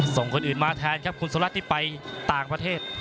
ส่งคนอื่นมาแทนครับคุณสุรัสตร์ที่ไปต่างประเทศ